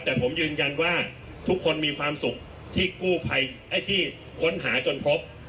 แต่ผมยืนยันว่าทุกคนมีความสุขที่กู้ภัยที่ค้นหาจนพบ